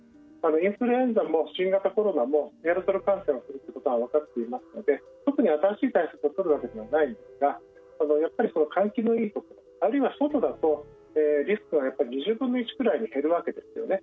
インフルエンザも新型コロナもエアロゾル感染をするということは分かっていますので特に新しい対策をとるわけではないんですがやっぱり、換気のいいところあるいは外だとリスクは２０分の１くらいに減るわけですよね。